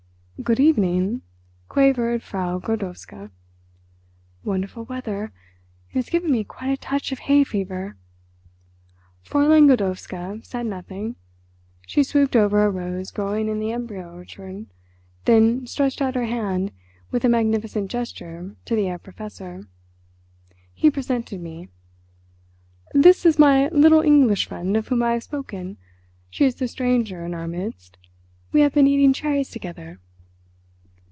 "Good evening," quavered Frau Godowska. "Wonderful weather! It has given me quite a touch of hay fever!" Fräulein Godowska said nothing. She swooped over a rose growing in the embryo orchard, then stretched out her hand with a magnificent gesture to the Herr Professor. He presented me. "This is my little English friend of whom I have spoken. She is the stranger in our midst. We have been eating cherries together."